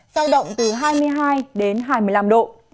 giao động từ hai mươi hai đến hai mươi năm độ